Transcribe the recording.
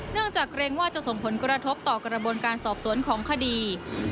จากเกรงว่าจะส่งผลกระทบต่อกระบวนการสอบสวนของคดี